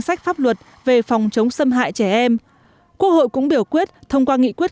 sách pháp luật về phòng chống xâm hại trẻ em quốc hội cũng biểu quyết thông qua nghị quyết